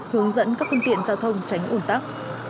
hướng dẫn các phương tiện giao thông tránh ủn tắc